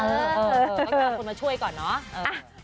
เออเออมาช่วยก่อนเนอะ